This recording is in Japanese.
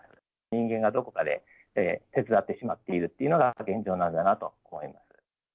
人間がどこかで手伝ってしまっているというのが、現状なんだなと思います。